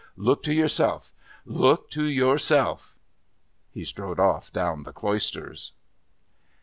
Look to yourself! Look to yourself!" He strode off down the Cloisters.